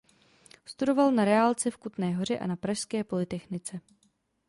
Studoval na reálce v Kutné Hoře a na pražské polytechnice.